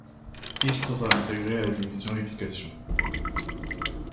Il sera intégré à la division Éducation.